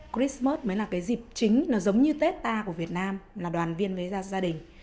christmot mới là cái dịp chính nó giống như tết ta của việt nam là đoàn viên với gia đình